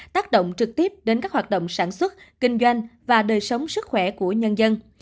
tác động trực tiếp đến các hoạt động sản xuất kinh doanh và đời sống sức khỏe của nhân dân